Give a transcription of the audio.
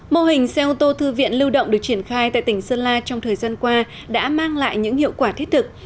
mô hình xe ô tô thư viện lưu động được triển khai tại tỉnh sơn la trong thời gian qua đã mang lại những hiệu quả thiết thực